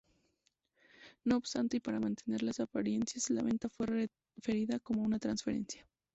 No obstante, y para mantener las apariencias, la venta fue referida como una transferencia.